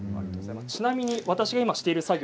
ちなみに今私がしている作業